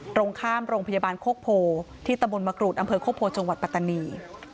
ตรงข้ามโรงพยาบาลโคกโพที่ตำบลมะกรูดอำเภอโคกโพจังหวัดปัตตานี